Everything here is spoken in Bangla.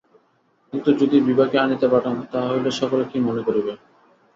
কিন্তু যদি বিভাকে আনিতে পাঠান, তাহা হইলে সকলে কী মনে করিবে!